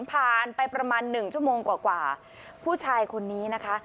ผ่านไปประมาณหนึ่งชั่วโมงกว่าผู้ชายคนนี้นะคะ